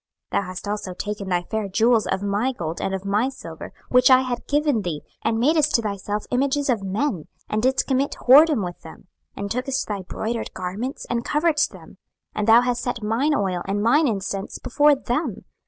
26:016:017 Thou hast also taken thy fair jewels of my gold and of my silver, which I had given thee, and madest to thyself images of men, and didst commit whoredom with them, 26:016:018 And tookest thy broidered garments, and coveredst them: and thou hast set mine oil and mine incense before them.